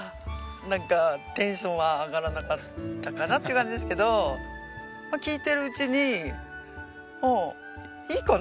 なんかテンションは上がらなかったかなって感じですけど聞いてるうちにああいいかなって。